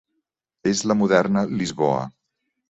És la moderna Lisboa.